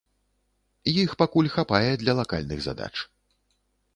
Іх пакуль хапае для лакальных задач.